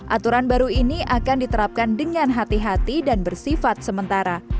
aturan baru ini akan diterapkan dengan hati hati dan bersifat sementara